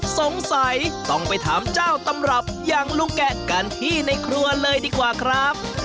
สงสัยต้องไปถามเจ้าตำรับอย่างลุงแกะกันที่ในครัวเลยดีกว่าครับ